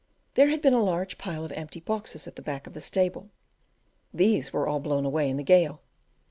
There had been a large pile of empty boxes at the back of the stable; these were all blown away in the gale.